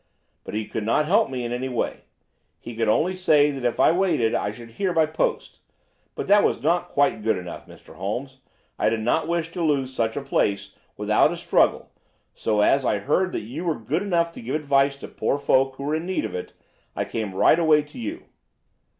But he could not help me in any way. He could only say that if I waited I should hear by post. But that was not quite good enough, Mr. Holmes. I did not wish to lose such a place without a struggle, so, as I had heard that you were good enough to give advice to poor folk who were in need of it, I came right away to you."